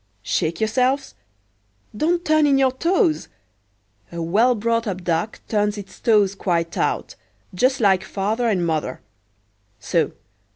Shake yourselves—don't turn in your toes; a well brought up duck turns its toes quite out, just like father and mother,—so!